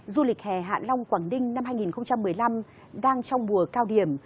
du lịch hè hạ long quảng ninh năm hai nghìn một mươi năm đang trong mùa cao điểm